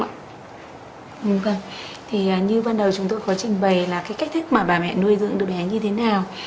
vâng thì như ban đầu chúng tôi có trình bày là cái cách thức mà bà mẹ nuôi dưỡng được bé như thế nào